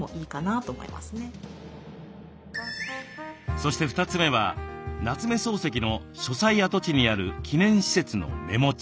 そして２つ目は夏目漱石の書斎跡地にある記念施設のメモ帳。